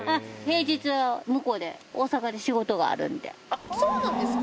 あっそうなんですか。